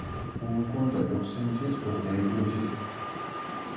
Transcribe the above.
Punkunta lluqsinchikpas yaykunchikpas.